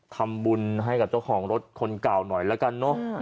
ทำบุญให้กับเจ้าของรถคนเก่าหน่อยแล้วกันเนอะ